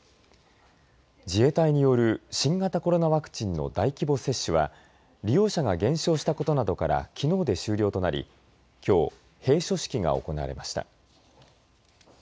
自衛隊による新型コロナワクチンの大規模接種は利用者が減少したことなどからきのうで終了となりきょう、閉所式が行われました。